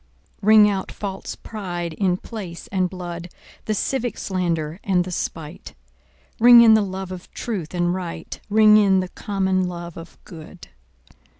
Ring out false pride in place and blood, The civic slander and the spite; Ring in the love of truth and right, Ring in the common love of good.